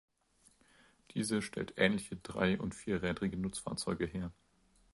Diese stellte ähnliche drei- und vierrädrige Nutzfahrzeuge her.